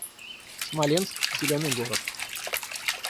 Смоленск — зелёный город